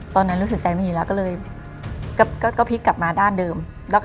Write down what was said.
ตอนนั้นรู้สึกใจไม่ดีแล้วก็เลยก็พลิกกลับมาด้านเดิม